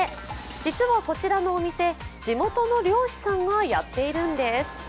実はこちらのお店、地元の漁師さんがやっているんです。